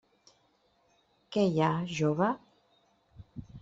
Què hi ha, jove?